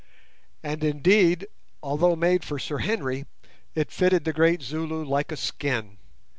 And indeed, although made for Sir Henry, it fitted the great Zulu like a skin.